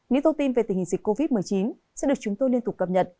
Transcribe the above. những thông tin về tình hình dịch covid một mươi chín sẽ được chúng tôi liên tục cập nhật